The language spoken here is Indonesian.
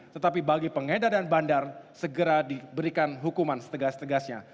tetapi bagi pengedar dan bandar segera diberikan hukuman setegas tegasnya